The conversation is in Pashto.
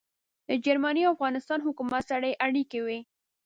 د جرمني او افغانستان حکومت سره يې اړیکې وې.